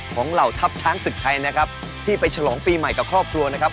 เหล่าทัพช้างศึกไทยนะครับที่ไปฉลองปีใหม่กับครอบครัวนะครับ